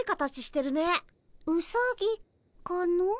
ウサギかの？